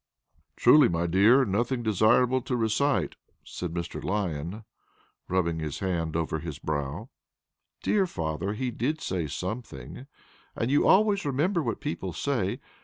"Truly, my dear, nothing desirable to recite," said Mr. Lyon, rubbing his hand over his brow. "Dear father, he did say something, and you always remember what people say.